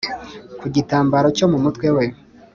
Ku gitambaro cyo mu mutwe we,